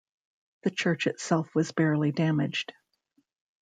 The church itself was barely damaged.